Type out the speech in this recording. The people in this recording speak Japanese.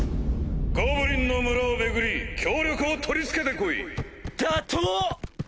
ゴブリンの村を巡り協力を取り付けて来いだと？